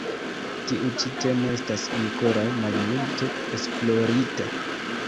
Tiu ĉi temo estas ankoraŭ malmulte esplorita.